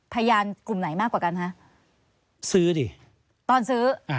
พยานกลุ่มไหนมากกว่ากันคะซื้อดิตอนซื้ออ่า